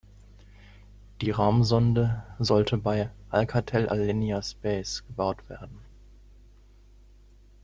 Die Raumsonde sollte bei Alcatel Alenia Space gebaut werden.